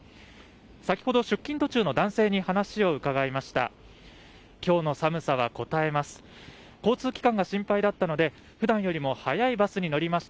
先ほど出勤途中の男性に話を伺いました。